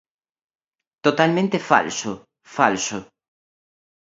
Totalmente falso, falso.